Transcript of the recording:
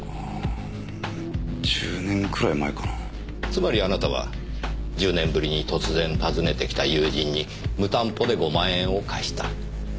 つまりあなたは１０年ぶりに突然訪ねてきた友人に無担保で５万円を貸した。